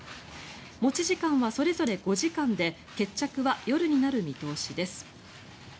持ち時間はそれぞれ５時間で決着は夜になる見通しです。